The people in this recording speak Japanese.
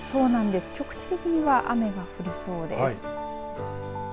局地的には雨が降りそうです。